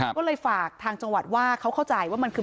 ก็เลยฝากทางจังหวัดว่าเขาเข้าใจว่ามันคือ